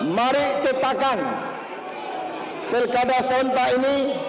mari citakan pilgadah sementara ini